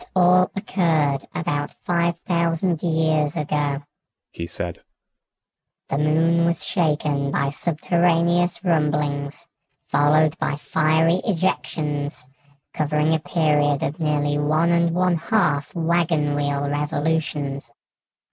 "It all occurred about five thousand years ago," he said. "The Moon was shaken by subterraneous rumblings, followed by fiery ejections, covering a period of nearly one and one half wagon wheel revolutions.